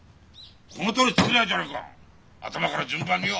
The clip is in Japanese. このとおり作りゃいいじゃねえか頭から順番によ！